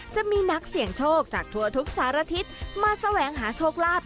จะมีนักเสี่ยงโชคจากทั่วทุกสารทิศมาแสวงหาโชคลาภ